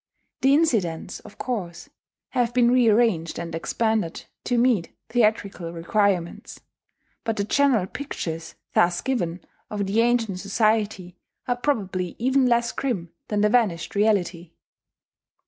The incidents, of course, have been rearranged and expanded to meet theatrical requirements; but the general pictures thus given of the ancient society are probably even less grim than the vanished reality.